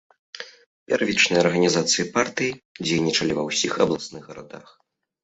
Пярвічныя арганізацыі партыі дзейнічалі ва ўсіх абласных гарадах.